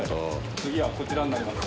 次はこちらになります。